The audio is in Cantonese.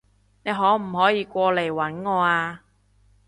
你可唔可以過嚟搵我啊？